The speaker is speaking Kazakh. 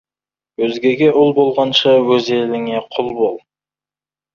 Өзгеге ұл болғанша, өз еліңе құл бол.